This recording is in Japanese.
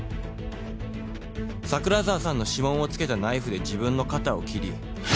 桜沢さんの指紋をつけたナイフで自分の肩を切り。